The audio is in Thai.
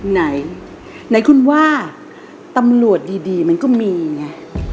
ไหนไหนคุณว่าตำรวจดีมันก็มีไง